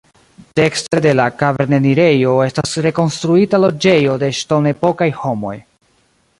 Dekstre de la kavernenirejo estas rekonstruita loĝejo de ŝtonepokaj homoj.